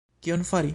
Kion fari?